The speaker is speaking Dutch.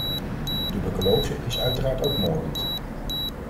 Tuberculose is uiteraard ook moordend.